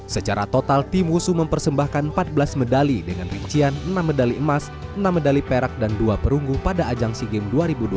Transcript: secara total tim wusu mempersembahkan empat belas medali dengan rincian enam medali emas enam medali perak dan dua perunggu pada ajang sea games dua ribu dua puluh tiga